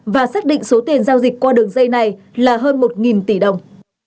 và xác định số tiền giao dịch qua đường dây này là hơn một tỷ đồng